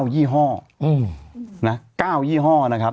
๙ยี่ห้อ